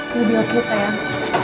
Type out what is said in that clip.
itu di icu sayang